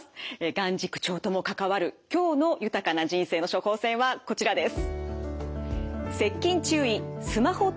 眼軸長とも関わる今日の豊かな人生の処方せんはこちらです。